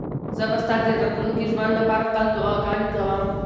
زه به ستا د راتلونکي ژوند لپاره تل دعاګانې کوم.